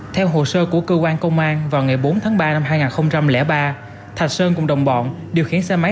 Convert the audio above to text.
theo hồ sơ của cơ quan công an vào ngày bốn tháng ba năm hai nghìn ba thạch sơn cùng đồng bọn điều khiển xe máy